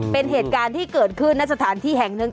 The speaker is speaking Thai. เป็นเหตุการณ์ที่เกิดขึ้นในสถานที่แห่งหนึ่ง